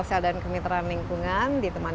silakan masukin ke grup teman